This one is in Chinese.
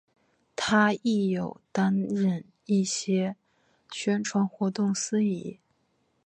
她亦有担任一些宣传活动司仪。